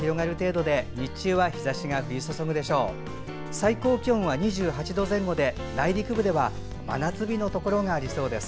最高気温は２８度前後で内陸部では真夏日のところがありそうです。